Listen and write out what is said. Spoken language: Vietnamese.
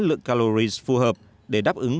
lượng calories phù hợp để đáp ứng